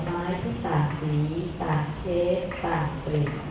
สวัสดีครับสวัสดีครับ